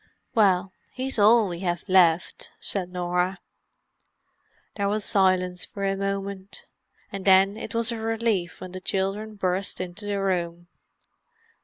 "Well, he's all we have left," said Norah. There was silence for a moment; and then it was a relief when the children burst into the room.